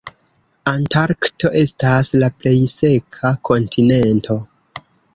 Antarkto estas la plej seka kontinento.